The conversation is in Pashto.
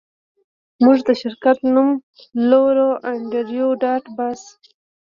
موږ د شرکت نوم لرو انډریو ډاټ باس